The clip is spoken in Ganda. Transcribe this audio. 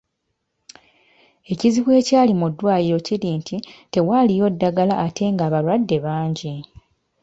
Ekizibu ekyali mu ddwaliro kiri nti tewaaliyo ddagala ate ng’abalwadde bangi.